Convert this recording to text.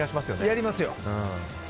やりますよ！